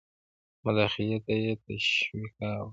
مداخلې ته یې تشویقاوه.